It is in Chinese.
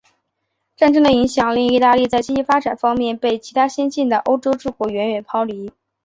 战争的影响令意大利在经济发展方面被其他先进的欧洲诸国远远抛离。